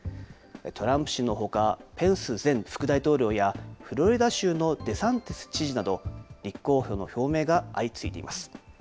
トランプ氏のほか、ペンス前副大統領やフロリダ州のデサンティス知事など、立候補の表明が相次いでいます。